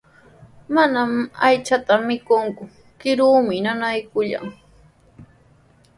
Manami aychata mikuuku, kiruumi nanaakullan.